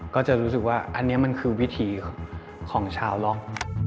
ก็จะรู้สึกว่าอันนี้มันคือวิธีของชาวล็อก